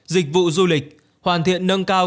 dịch vụ du lịch hoàn thiện nâng cao